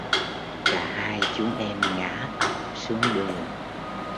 cả hai chúng em ngã ập xuống đường